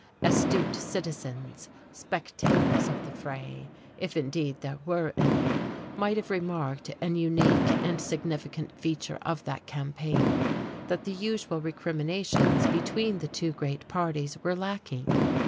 Astute citizens, spectators of the fray if indeed there were any might have remarked an unique and significant feature of that campaign: that the usual recriminations between the two great parties were lacking.